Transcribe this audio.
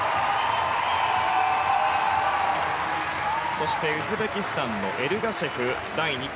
そしてウズベキスタンのエルガシェフ、第２組。